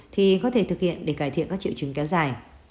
thì có thể thực hiện để cải thiện các triệu chứng kéo dài